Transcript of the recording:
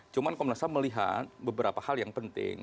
cuma komnas ham melihat beberapa hal yang penting